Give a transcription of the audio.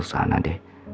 ke sana deh